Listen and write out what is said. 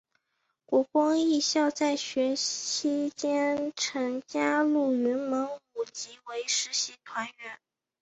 国光艺校在学期间曾加入云门舞集为实习团员。